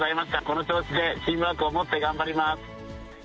この調子でチームワークを持って頑張ります。